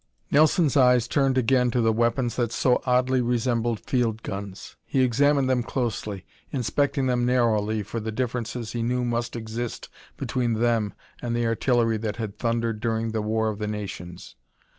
Nelson's eyes turned again to the weapons that so oddly resembled field guns. He examined them closely, inspecting them narrowly for the differences he knew must exist between them and the artillery that had thundered during the War of the Nations.